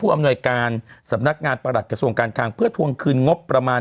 อำนวยการสำนักงานประหลัดกระทรวงการคังเพื่อทวงคืนงบประมาณ